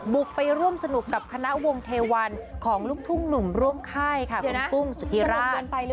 บุกไปร่วมสนุกกับคณะวงเทวันของลูกทุ่งหนุ่มร่วมค่ายค่ะคุณกุ้งสุธิราช